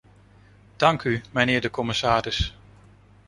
Dank u, mijnheer de commissaris.